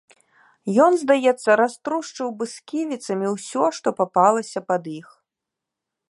Ён, здаецца, раструшчыў бы сківіцамі ўсё, што папалася пад іх.